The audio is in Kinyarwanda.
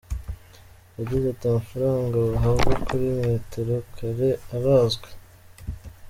Yagize ati “Amafaranga bahabwa kuri metero kare arazwi.